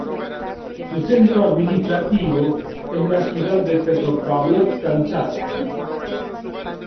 Su centro administrativo es la ciudad de Petropávlovsk-Kamchatski.